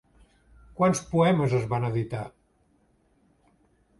Quants poemes es van editar?